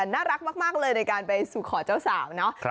น่ารักมากเลยในการไปสู่ขอเจ้าสาวเนาะ